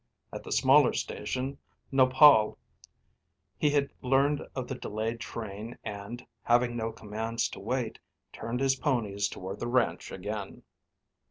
At the small station, Nopal, he had learned of the delayed train and, having no commands to wait, turned his ponies toward the ranch again.